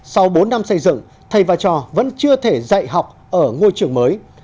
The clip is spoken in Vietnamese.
sau bốn năm xây dựng thầy và trò vẫn chưa thể dạy học ở ngôi trường mới